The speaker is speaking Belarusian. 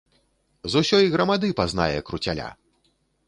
З усёй грамады пазнае круцяля!